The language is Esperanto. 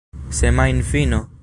semajnfino